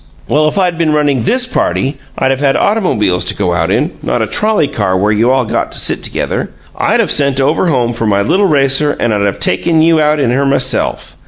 Well, if I'd been running THIS party I'd of had automobiles to go out in, not a trolley car where you all got to sit together and I'd of sent over home for my little racer and I'd of taken you out in her myself.